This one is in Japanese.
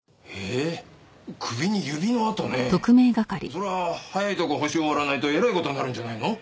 それは早いとこホシを割らないとえらい事になるんじゃないの？